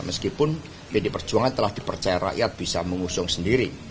meskipun pdi perjuangan telah dipercaya rakyat bisa mengusung sendiri